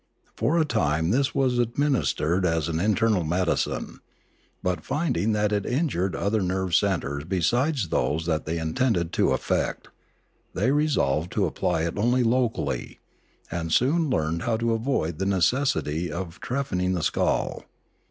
For a time this was administered as an in ternal medicine; but finding that it injured other nerve centres besides those that they intended to affect, they resolved to apply it only locally, and soon learned how to avoid the necessity of trephining the skull.